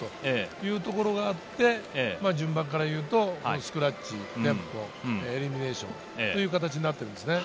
いうところがあって順番からいうとスクラッチ、テンポ、エリミネーションという形になっているんですね。